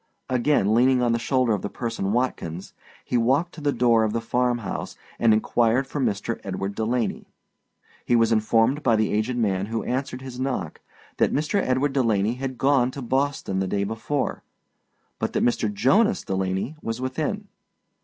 Again leaning on the shoulder of the person Watkins, he walked to the door of the farm house and inquired for Mr. Edward Delaney. He was informed by the aged man who answered his knock, that Mr. Edward Delaney had gone to Boston the day before, but that Mr. Jonas Delaney was within.